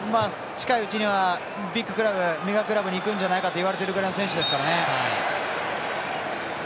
近いうちにはビッグクラブメガクラブに行くんじゃないかといわれている選手ですからね。